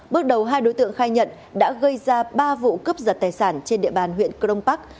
bước đầu hai đối tượng khai nhận đã gây ra ba vụ cướp giật tài sản trên địa bàn huyện crong park